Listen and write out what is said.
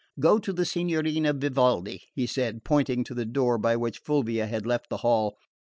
"Go to the Signorina Vivaldi," he said, pointing to the door by which Fulvia had left the hall.